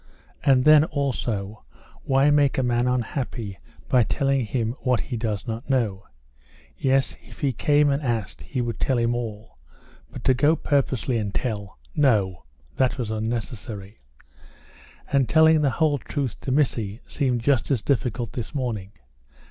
And, then, also, why make a man unhappy by telling him what he does not know? Yes, if he came and asked, he would tell him all, but to go purposely and tell no! that was unnecessary. And telling the whole truth to Missy seemed just as difficult this morning.